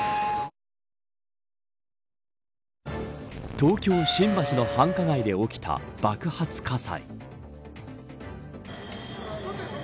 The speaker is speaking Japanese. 東京、新橋の繁華街で起きた爆発火災。